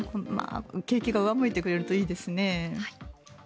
景気が上向いてくれるといいですね。